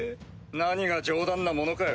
何が冗談なものかよ。